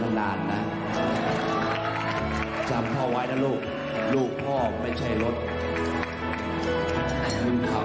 ต้องอร่อยเถอะครับไม่ได้อร่อยก็ส่งมากเถอะ